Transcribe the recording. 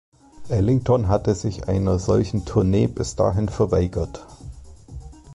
Ellington hatte sich einer solchen Tournee bis dahin verweigert.